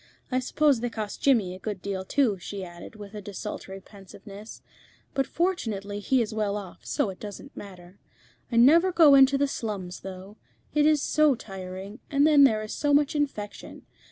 I suppose they cost Jimmy a good deal too," she added, with a desultory pensiveness; "but fortunately he is well off, so it doesn't matter. I never go into the slums, though. It is so tiring, and then there is so much infection.